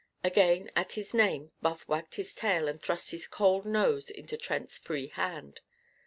Again, at his name, Buff wagged his tail and thrust his cold nose into Trent's free hand.